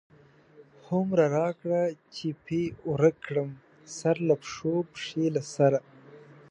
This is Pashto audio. هومره راکړه چی پی ورک کړم، سر له پښو، پښی له سره